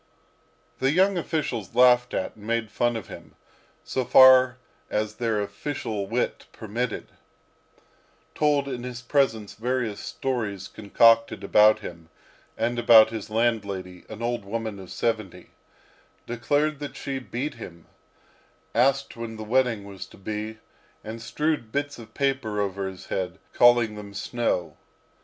The young officials laughed at and made fun of him, so far as their official wit permitted; told in his presence various stories concocted about him, and about his landlady, an old woman of seventy; declared that she beat him; asked when the wedding was to be; and strewed bits of paper over his head, calling them snow.